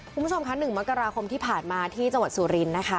คุณผู้ชมค่ะ๑มกราคมที่ผ่านมาที่จังหวัดสุรินทร์นะคะ